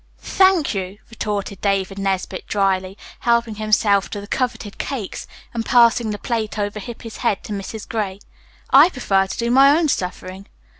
"Thank you," retorted David Nesbit dryly, helping himself to the coveted cakes and passing the plate over Hippy's head to Mrs. Gray, "I prefer to do my own suffering."